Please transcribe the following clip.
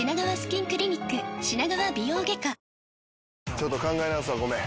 ちょっと考え直すわごめん。